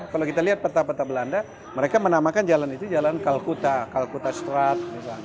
kalau kita lihat peta peta belanda mereka menamakan jalan itu jalan kalkuta kalkuta strad